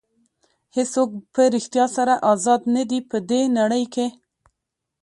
هېڅوک په ریښتیا سره ازاد نه دي په دې نړۍ کې.